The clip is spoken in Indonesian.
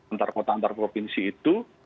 antar kota antar provinsi itu